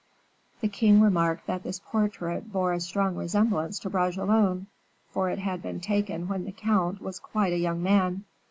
The king remarked that this portrait bore a strong resemblance to Bragelonne, for it had been taken when the count was quite a young man.